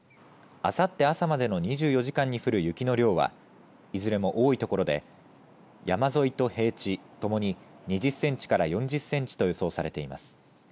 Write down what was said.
あさって朝までの２４時間に降る雪の量はいずれも多い所で山沿いと平地ともに２０センチから４０センチと予想されています。